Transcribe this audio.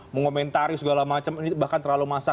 mengomentari segala macam ini bahkan terlalu masak